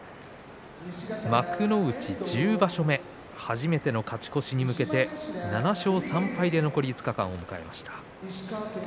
幕内１０場所目初めての勝ち越しに向けて７勝３敗で残り５日間を迎えました。